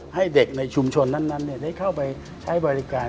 ให้เด็กในชุมชนนั้นได้เข้าไปใช้บริการ